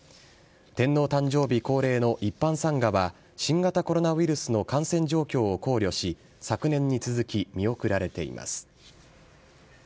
天皇誕生日恒例の一般参賀は、新型コロナウイルスの感染状況を考慮し、昨年に続き見送られています。